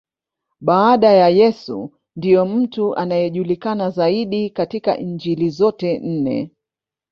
Baada ya Yesu, ndiye mtu anayejulikana zaidi katika Injili zote nne.